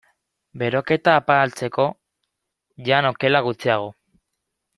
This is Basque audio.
Beroketa apaltzeko, jan okela gutxiago.